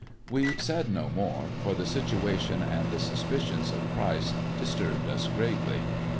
We said no more, for the situation, and the suspicions of Pryce, disturbed us greatly.